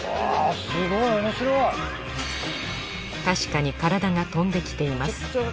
確かに体が飛んできています。